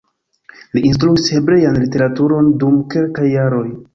Li instruis hebrean literaturon dum kelkaj jaroj.